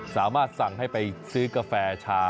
สามารถสั่งให้ไปซื้อกาแฟชา